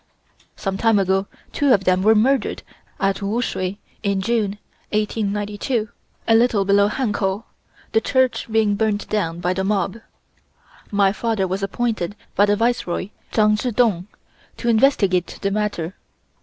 Some time ago, two of them were murdered at Wu Shuih, in June, 1892 (a little below Hankow), the church being burnt down by the mob. My father was appointed by Viceroy Chang Chih Tung to investigate the matter.